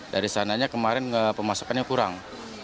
dari sananya kemarin pemasokannya kurang